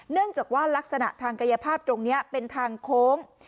เนื่องจากว่ารักษณะทางกายภาพตรงนี้เป็นทางโค้ง